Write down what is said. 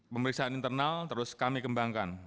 pemeriksaan internal terus kami kembangkan